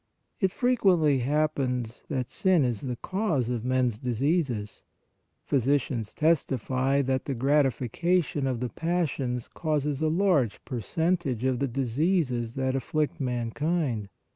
It frequently happens that sin is the cause of men s diseases; physicians testify that the gratification of the passions causes a large percent age of the diseases that afflict mankind.